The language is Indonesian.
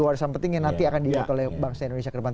warisan penting yang nanti akan dilihat oleh bangsa indonesia ke depan